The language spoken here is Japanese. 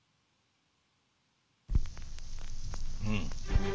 うん。